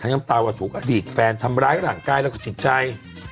น้ำตาว่าถูกอดีตแฟนทำร้ายร่างกายแล้วก็จิตใจ